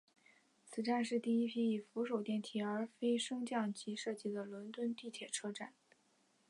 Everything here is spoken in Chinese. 此站是第一批以扶手电梯而非升降机设计的伦敦地铁车站。